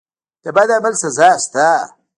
د بد عمل سزا شته.